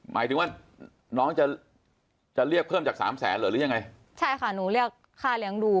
หมายถึงว่าน้องจะจะเรียกเพิ่มจากสามแสนเหรอหรือยังไงใช่ค่ะหนูเรียกค่าเลี้ยงดู